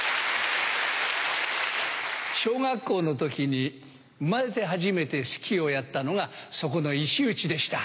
小学校の時に生まれて初めてスキーをやったのがそこの石打でした。